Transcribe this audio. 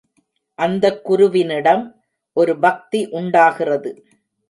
அந்தக் குருவினிடம் ஒரு பக்தி உண்டாகிறது.